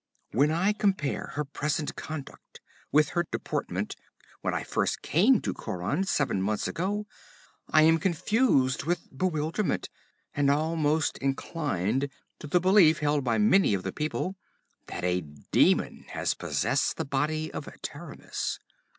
'When I compare her present conduct with her deportment when first I came to Khauran, seven months ago, I am confused with bewilderment, and almost inclined to the belief held by many of the people that a demon has possessed the body of Taramis.